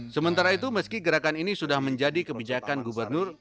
sementara itu meski gerakan ini sudah menjadi kebijakan gubernur